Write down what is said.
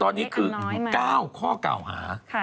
ตอนนี้คือ๙ข้อเก่าหา